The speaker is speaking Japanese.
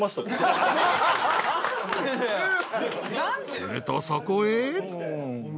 ［するとそこへ］